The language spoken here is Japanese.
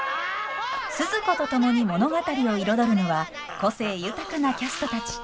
スズ子と共に物語を彩るのは個性豊かなキャストたち。